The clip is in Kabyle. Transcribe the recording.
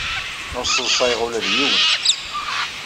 Ur sseḍsayeɣ ula d yiwen.